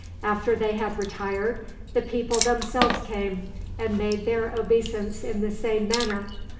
After they had retired the people themselves came, and made their obeisance in the same manner.